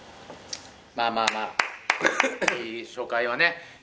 まあまあまあ、初回はね。